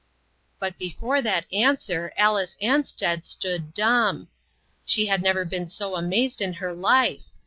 But before that answer, Alice Ansted stood dumb. She had never been so amazed in her life